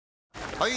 ・はい！